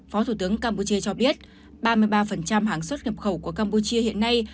phó thủ tướng campuchia cho biết ba mươi ba hàng suất nghiệp khẩu của campuchia hiện nay